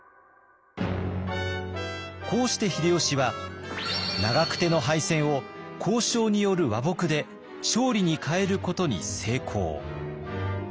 こうして秀吉は長久手の敗戦を交渉による和睦で勝利に変えることに成功。